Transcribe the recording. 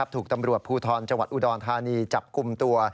ถูกตำรวจภูทรจังหวัดอุดรธานีจับกลุ่มตัว